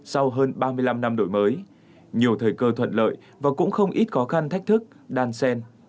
sau hơn ba mươi năm năm đổi mới nhiều thời cơ thuận lợi và cũng không ít khó khăn thách thức đan sen